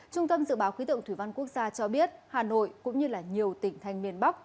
trung tâm dự báo khí tượng thủy văn quốc gia cho biết hà nội cũng như nhiều tỉnh thành miền bắc